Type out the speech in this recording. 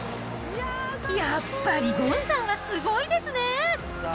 やっぱりゴンさんはすごいですね。